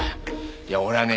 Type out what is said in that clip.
いや俺はね